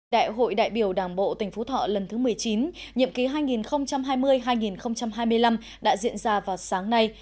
đại hội đại biểu đảng bộ tỉnh phú thọ lần thứ một mươi chín nhiệm ký hai nghìn hai mươi hai nghìn hai mươi năm đã diễn ra vào sáng nay